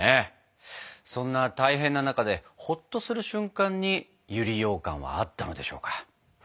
そんな大変な中でほっとする瞬間に百合ようかんはあったのでしょうか。